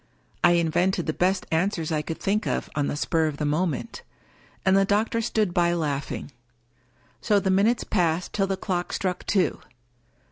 I invented the best answers I could think of on the spur of the moment; and the doctor stood by laughing. So the minutes passed till the clock struck two.